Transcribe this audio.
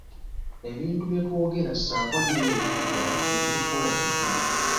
Ebintu bye twogera ssaako n'ebyo bye tukola bye bitufuula kye tuli.